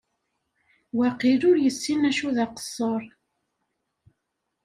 Waqil ur yessin acu d aqeṣṣer.